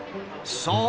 そう！